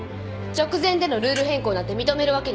直前でのルール変更なんて認めるわけには。